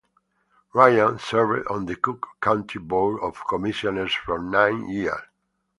Ryan served on the Cook County Board of Commissioners for nine years.